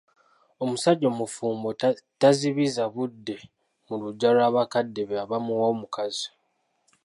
Omusajja omufumbo tazibiza budde mu luggya lwa bakadde be abaamuwa omukazi.